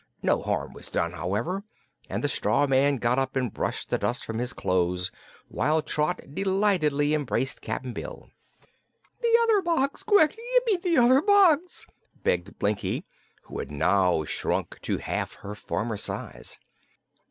No harm was done, however, and the straw man got up and brushed the dust from his clothes while Trot delightedly embraced Cap'n Bill. "The other box! Quick! Give me the other box," begged Blinkie, who had now shrunk to half her former size.